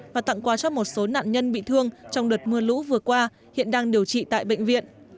và tặng quà cho một số nạn nhân bị thương trong đợt mưa lũ vừa qua hiện đang điều trị tại bệnh viện